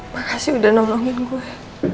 makasih udah nolongin gue